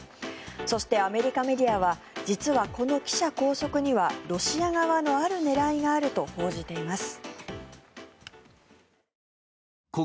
そして、アメリカメディアは実はこの記者拘束にはロシア側のある狙いがあると報じています。